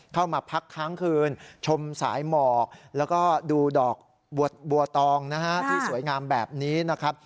เข้ามาพักค้างคืนชมสายหมอกแล้วก็ดูดอกบัวตองนะฮะที่สวยงามแบบนี้นะครับ